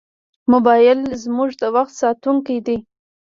موبایل زموږ د وخت ساتونکی دی.